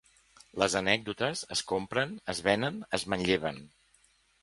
Les anècdotes es compren, es venen, es manlleven...